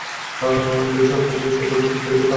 তিনি সংস্থাটিকে সুদৃঢ় ভিত্তির ওপর দাঁড় করিয়েছিলেন।